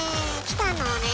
来たのね。